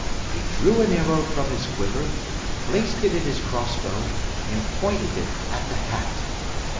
He drew an arrow from his quiver, placed it in his crossbow, and pointed it at the hat.